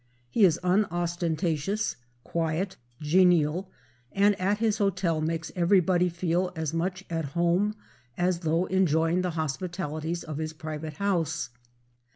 He is unostentatious, quiet, genial, and at his hotel makes everybody feel as much at home as though enjoying the hospitalities of his private house.